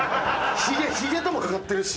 ひげとも掛かってるるし。